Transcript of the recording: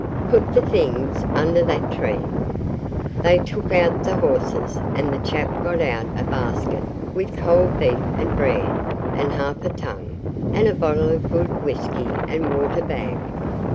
Put the things under that tree.' They took out the horses, and the chap got out a basket with cold beef and bread and half a tongue and a bottle of good whisky and water bag.